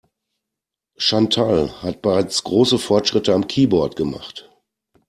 Chantal hat bereits große Fortschritte am Keyboard gemacht.